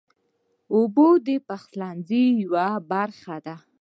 اوبه د پخلنځي یوه برخه ده.